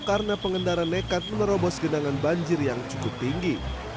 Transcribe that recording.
karena pengendara nekat menerobos genangan banjir yang cukup tinggi